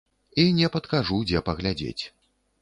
І не падкажу, дзе паглядзець.